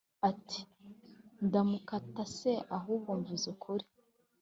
ati"ndamutaka se ahubwo mvuze ukuri?"